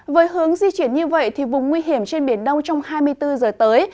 với hướng di chuyển như vậy vùng nguy hiểm trên biển đông trong hai mươi bốn giờ tới